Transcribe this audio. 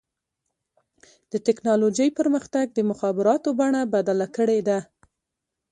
د ټکنالوجۍ پرمختګ د مخابراتو بڼه بدله کړې ده.